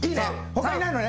他いないのね？